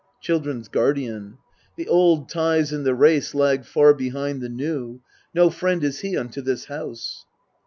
Children's Guardian. The old ties in the race lag far behind The new : no friend is he unto this house.